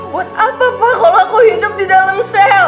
buat apa pak kalau aku hidup di dalam sel